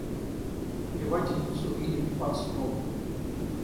В плевательницу или под стол.